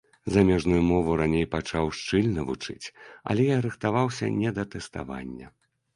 Замежную мову раней пачаў шчыльна вучыць, але я рыхтаваўся не да тэставання.